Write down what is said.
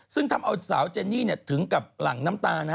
ซึ่งทำเอาสาวเจนนี่ถึงกับหลั่งน้ำตานะ